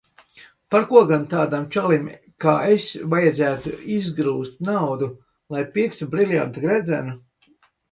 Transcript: Par ko gan tādam čalim kā es vajadzētu izgrūst naudu, lai pirktu briljanta gredzenu?